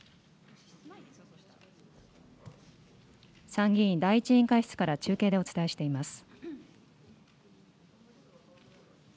参議院第１委員会室から中継でお伝えしています。